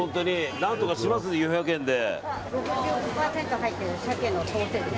何とかします、４００円で。